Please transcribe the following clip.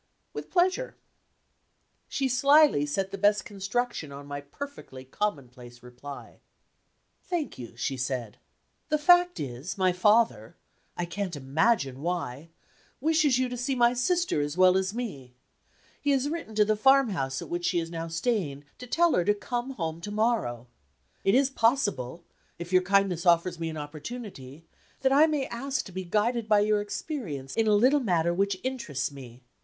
"With pleasure." She slyly set the best construction on my perfectly commonplace reply. "Thank you," she said. "The fact is, my father (I can't imagine why) wishes you to see my sister as well as me. He has written to the farmhouse at which she is now staying, to tell her to come home to morrow. It is possible if your kindness offers me an opportunity that I may ask to be guided by your experience, in a little matter which interests me.